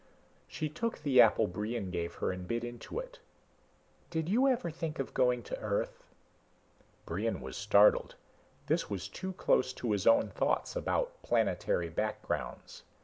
She took the apple Brion gave her and bit into it. "Did you ever think of going to Earth?" Brion was startled. This was too close to his own thoughts about planetary backgrounds.